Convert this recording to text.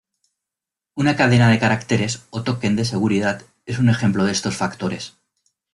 Una cadena de caracteres o token de seguridad es un ejemplo de estos factores.